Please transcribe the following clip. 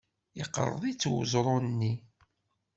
Yeqreḍ-itt weẓru-nni.